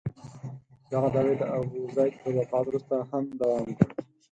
دغه دعوې د ابوزید تر وفات وروسته هم دوام وکړ.